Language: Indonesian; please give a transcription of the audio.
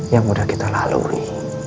yang udah kita lalui